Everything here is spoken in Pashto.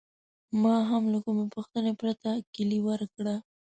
ما هم له کومې پوښتنې پرته کیلي ورکړه.